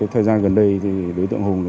thời gian gần đây đối tượng hùng